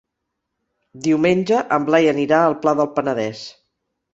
Diumenge en Blai anirà al Pla del Penedès.